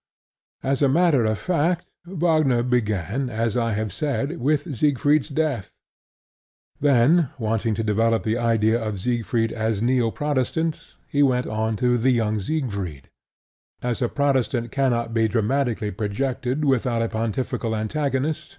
As a matter of fact Wagner began, as I have said, with Siegfried's Death. Then, wanting to develop the idea of Siegfried as neo Protestant, he went on to The Young Siegfried. As a Protestant cannot be dramatically projected without a pontifical antagonist.